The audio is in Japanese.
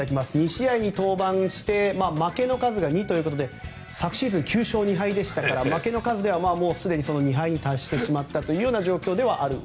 ２試合に登板して負けの数が２ということで昨シーズン９勝２敗でしたから負けの数では、もうすでにその２敗に達している状況です。